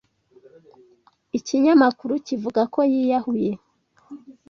Ikinyamakuru kivuga ko yiyahuye.